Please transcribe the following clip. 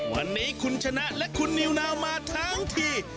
วันนี้คุณชนะและคุณนิวนาวมาทั้งที